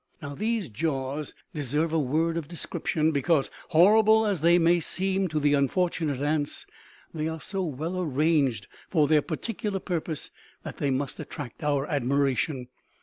Now, these jaws deserve a word of description. Because, horrible as they may seem to the unfortunate ants, they are so well arranged for their particular purpose that they must attract our admiration.